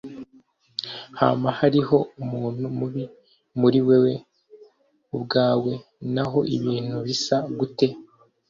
hama hariho umuntu mubi muri wewe ubwawe naho ibintu bisa gute